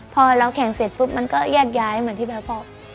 พอเราแข่งเสร็จปุ๊บมันก็แยกย้ายเหมือนที่แพทย์บอก